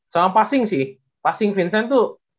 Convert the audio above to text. sama passing sih passing vincent tuh